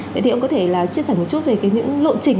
vậy thì ông có thể là chia sẻ một chút về những lộ trình